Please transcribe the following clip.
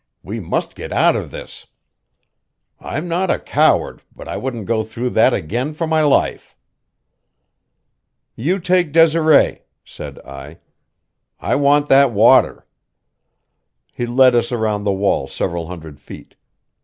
"We must get out of this. I'm not a coward, but I wouldn't go through that again for my life." "You take Desiree," said I. "I want that water." He led us around the wall several hundred feet.